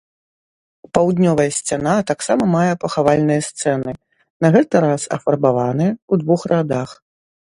Паўднёвая сцяна таксама мае пахавальныя сцэны, на гэты раз афарбаваныя, у двух радах.